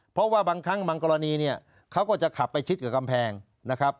เพราะว่าบางครั้งบางกรณีเนี่ยเขาก็จะขับไปชิดกับกำแพงนะครับ